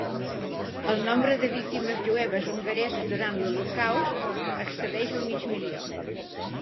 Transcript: El nombre de víctimes jueves hongareses durant l'Holocaust excedeix el mig milió.